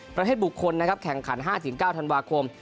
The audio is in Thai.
ประเภทบุคคลแข่งขัน๕๙ธันวาคม